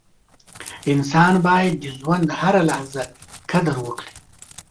• انسان باید د ژوند هره لحظه قدر وکړي.